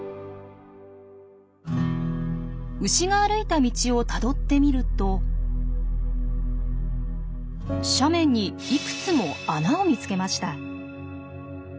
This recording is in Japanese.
牛が歩いた道をたどってみると斜面にいくつも穴を見つけました。